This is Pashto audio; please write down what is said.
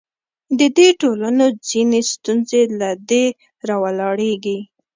د دې ټولنو ځینې ستونزې له دې راولاړېږي.